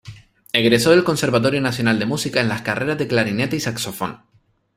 Egresó del Conservatorio Nacional de Música en las carreras de Clarinete y Saxofón.